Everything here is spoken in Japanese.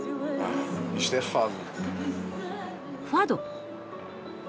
ファド。